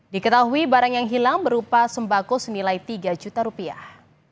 diketahui barang yang hilang berupa sembako senilai tiga juta rupiah